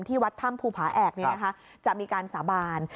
ที่วัดถ้ำภูผาแอกเนี่ยนะฮะจะมีการสาบาน